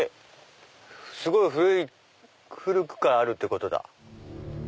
すごい古くからあるってことだ。